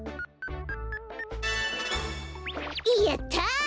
やった！